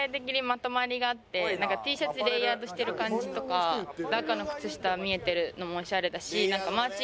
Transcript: Ｔシャツレイヤードしてる感じとか赤の靴下が見えてるのもオシャレだし。